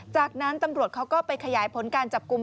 จากนั้นตำรวจเขาก็ไปขยายผลการจับกลุ่ม